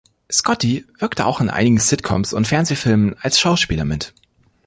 Scotti wirkte auch in einigen Sitcoms und Fernsehfilmen als Schauspieler mit.